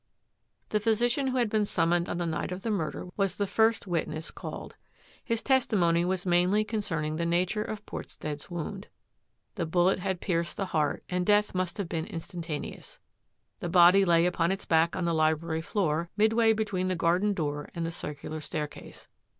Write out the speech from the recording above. The physician who had been summoned on the night of the murder was the first witness called. His testimony was mainly concerning the nature of Portstead's wound. The bullet had pierced the heart and death must have been instantaneous. The body lay upon its back on the library floor, midway between the garden door and the circular staircase.